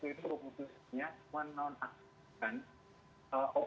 oleh masyarakat yang menolak